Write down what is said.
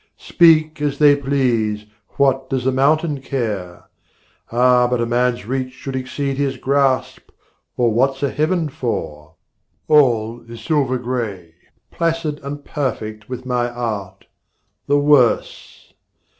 Speak as they please, what does the mountain care? Ah, but a man's reach should exceed his grasp, Or what's a heaven for? All is silver grey, Placid and perfect with my art: the worse!